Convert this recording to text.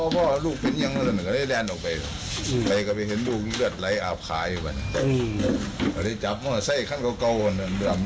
บอกนี่แต่ว่าลูกคือยิ่งเหือนกัน